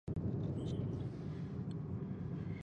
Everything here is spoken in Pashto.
وینز نن یوازې له دې اړخه شتمن دی